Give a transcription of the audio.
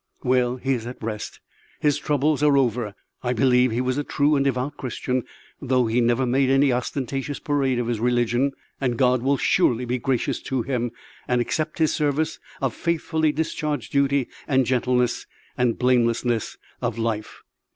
Well, he is at rest; his troubles are over; I believe he was a true and devout Christian, though he never made any ostentatious parade of his religion; and God will surely be gracious to him and accept his service of faithfully discharged duty and gentleness and blamelessness of life."